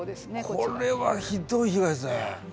これはひどい被害ですね。